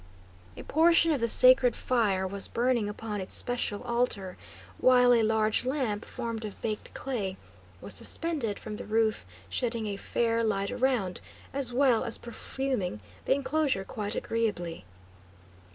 A portion of the sacred fire was burning upon its special altar, while a large lamp, formed of baked clay, was suspended from the roof, shedding a fair light around, as well as perfuming the enclosure quite agreeably.